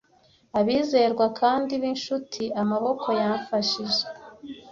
Abizerwa kandi b'inshuti amaboko yamfashije .